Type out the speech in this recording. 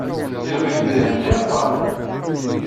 Yerbeḥ-d idrimen imeqranen.